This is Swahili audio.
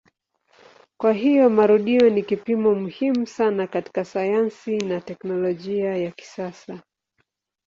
Kwa hiyo marudio ni kipimo muhimu sana katika sayansi na teknolojia ya kisasa.